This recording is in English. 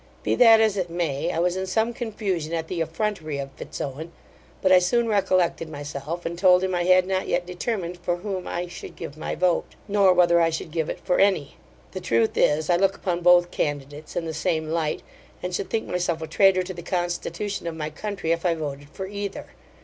Be that as it may, I was in some confusion at the effrontery of Fitzowen; but I soon recollected myself, and told him, I had not yet determined for whom I should give my vote, nor whether I should give it for any. The truth is, I look upon both candidates in the same light; and should think myself a traitor to the constitution of my country, if I voted for either.